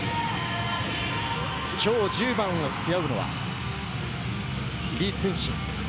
きょう１０番を背負うのは、李承信。